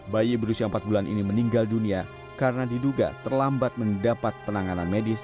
bayi berusia empat bulan ini meninggal dunia karena diduga terlambat mendapat penanganan medis